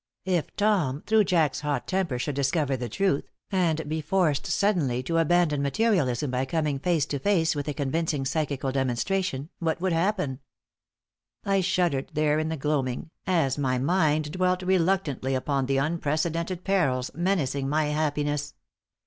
If Tom, through Jack's hot temper, should discover the truth, and be forced suddenly to abandon materialism by coming face to face with a convincing psychical demonstration, what would happen? I shuddered, there in the gloaming, as my mind dwelt reluctantly upon the unprecedented perils menacing my happiness.